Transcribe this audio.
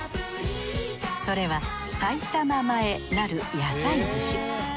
それは埼玉前なる野菜すし。